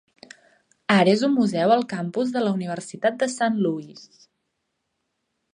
Ara és un museu al campus de la Universitat de Saint Louis.